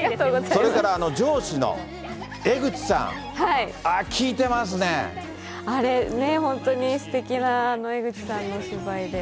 それから上司の江口さん、あれ、あれ、ねえ、本当にすてきな江口さんのお芝居で。